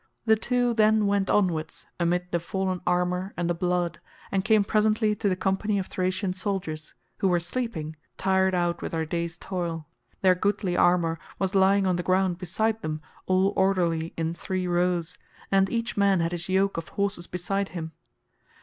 The two then went onwards amid the fallen armour and the blood, and came presently to the company of Thracian soldiers, who were sleeping, tired out with their day's toil; their goodly armour was lying on the ground beside them all orderly in three rows, and each man had his yoke of horses beside him.